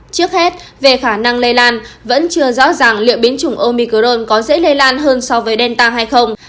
trước hết về khả năng lây lan vẫn chưa rõ ràng liệu biến chủng omicron có dễ lây lan hơn so với delta hay không